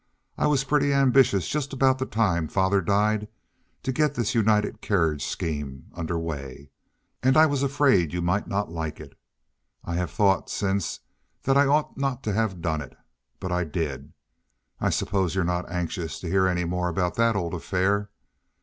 I was pretty ambitious just about the time that father died to get this United Carriage scheme under way, and I was afraid you might not like it. I have thought since that I ought not to have done it, but I did. I suppose you're not anxious to hear any more about that old affair.